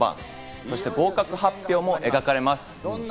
そして合格発表も描かれます。